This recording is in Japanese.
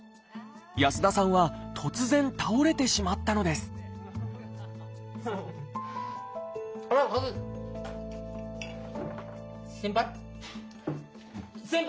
安田さんは突然倒れてしまったのです先輩？